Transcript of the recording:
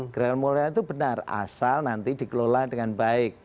gerakan moral itu benar asal nanti dikelola dengan baik